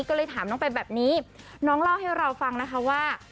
ก็เลยถามน้องไปแบบนี้น้องเล่าให้เราฟังนะคะว่า